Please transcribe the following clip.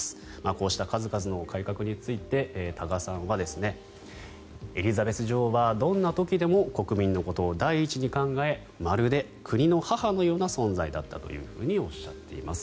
こうした数々の改革について多賀さんはエリザベス女王はどんな時でも国民のことを第一に考えまるで国の母のような存在だったとおっしゃっています。